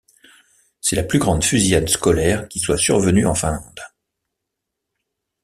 C'est la plus grave fusillade scolaire qui soit survenue en Finlande.